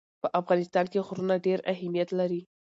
په افغانستان کې غرونه ډېر اهمیت لري.